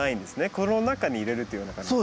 この中に入れるというような感じで。